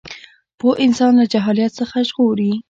پوهه انسان له جهالت څخه ژغوري.